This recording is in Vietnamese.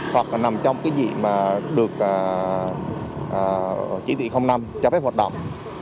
hoặc nằm trong cái gì mà được chỉ thị năm cho phép hoạt động